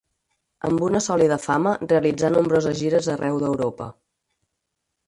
Amb una sòlida fama, realitzà nombroses gires arreu d'Europa.